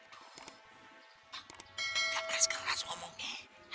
pak jangan keras keras ngomongnya